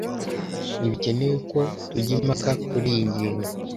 Ntibikenewe ko tujya impaka kuriyi ngingo